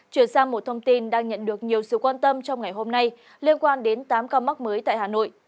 chuyển sang một thông tin đang nhận được nhiều sự quan tâm trong ngày hôm nay liên quan đến tám ca mắc mới tại hà nội